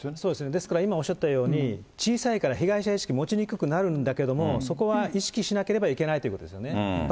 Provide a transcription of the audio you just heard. ですから今おっしゃったように、小さいから被害者意識持ちにくくなるんだけれども、そこは意識しなければいけないということですよね。